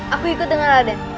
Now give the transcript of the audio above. aku ikut dengan raden